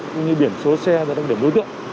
cũng như biển số xe và đặc điểm đối tượng